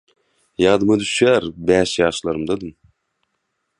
Ýadyma düşýär, bäş ýaşlarymdadym.